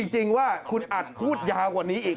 จริงว่าคุณอัดพูดยาวกว่านี้อีก